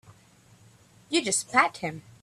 You just pat him.